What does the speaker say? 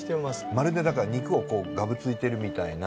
まるで肉をがぶついてるみたいな。